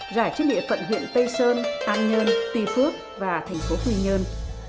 rải chất địa phận huyện tây sơn an nhơn tuy phước và thành phố quỳ nhơn